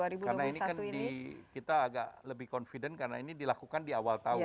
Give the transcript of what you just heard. karena ini kan kita agak lebih confident karena ini dilakukan di awal tahun